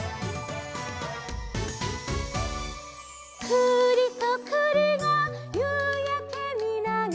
「くりとくりがゆうやけみながら」